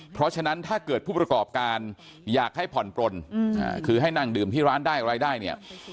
เพราะฉะนั้นถ้าเกิดผู้ประกอบการอยากให้ผ่อนปลนคือให้นั่งดื่มที่ร้านได้อะไรได้เนี่ย